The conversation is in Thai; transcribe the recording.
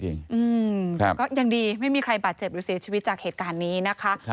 อืมครับก็ยังดีไม่มีใครบาดเจ็บหรือเสียชีวิตจากเหตุการณ์นี้นะคะ